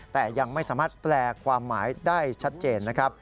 แต่ยังไม่สามารถแปลความหมายได้ชัดเจนนะครับ